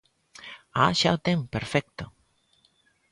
¡Ah!, xa o ten, perfecto.